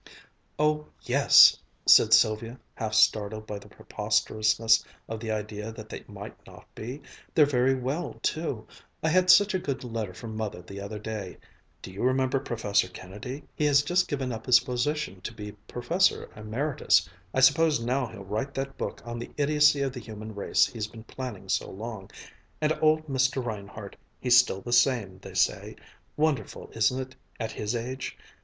"Oh yes!" said Sylvia, half startled by the preposterousness of the idea that they might not be. "They're very well too. I had such a good letter from Mother the other day. Do you remember Professor Kennedy? He has just given up his position to be professor emeritus. I suppose now he'll write that book on the idiocy of the human race he's been planning so long. And old Mr. Reinhardt, he's still the same, they say ... wonderful, isn't it, at his age?"